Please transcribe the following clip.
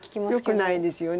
よくないですよね。